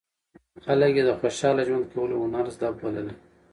خلک یې د خوشاله ژوند کولو هنر زده بللی.